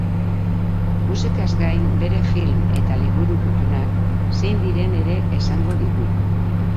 Musikaz gain, bere film eta liburu kutunak zein diren ere esango digu.